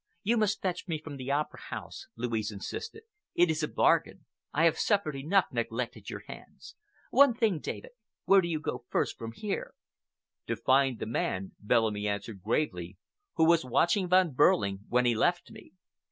"You must fetch me from the Opera House," Louise insisted. "It is a bargain. I have suffered enough neglect at your hands. One thing, David,—where do you go first from here?" "To find the man," Bellamy answered gravely, "who was watching Von Behrling when he left me.